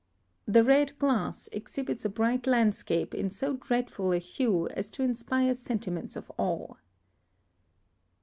The red glass exhibits a bright landscape in so dreadful a hue as to inspire sentiments of awe.